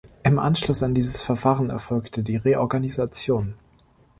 Im Anschluss an dieses Verfahren erfolgte die Reorganisation.